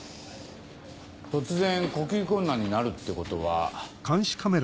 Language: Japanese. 突然呼吸困難になるってことは。